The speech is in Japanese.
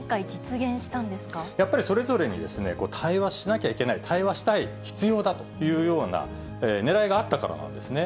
やっぱりそれぞれに対話しなきゃいけない、対話したい、必要だというようなねらいがあったからなんですね。